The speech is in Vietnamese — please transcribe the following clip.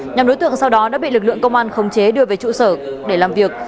nhằm đối tượng sau đó đã bị lực lượng công an khống chế đưa về trụ sở để làm việc